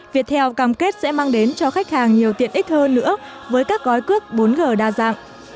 viettel cam kết sẽ mang đến cho khách hàng nhiều tiện ích hơn nữa với các gói cước bốn g đa dạng